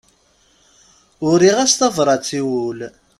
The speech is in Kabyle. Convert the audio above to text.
Uriɣ-as tabrat i wul.